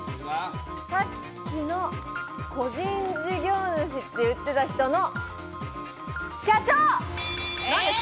さっきの個人事業主って言ってた人の社長。